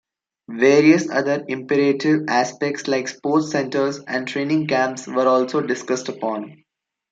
Various other imperative aspects like sports centres and training camps were also discussed upon.